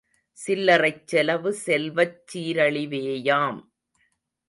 சில்லறைச்செலவு செல்வச் சீரழிவேயாம்.